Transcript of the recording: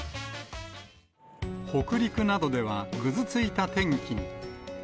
北陸などでは、ぐずついた天気に。